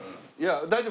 大丈夫。